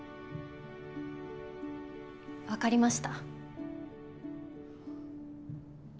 分かりました。